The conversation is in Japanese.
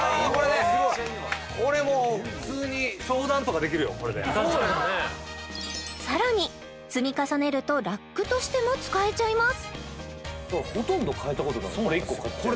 これもう普通に商談とかできるよこれでそうだよねさらに積み重ねるとラックとしても使えちゃいます